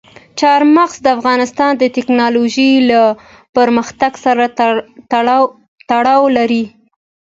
چار مغز د افغانستان د تکنالوژۍ له پرمختګ سره تړاو لري.